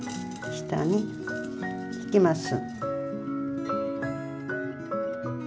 下にひきます。